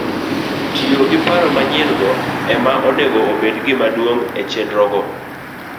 Tiyo gi paro manyien - go ema onego obed gimaduong ' e chenrogo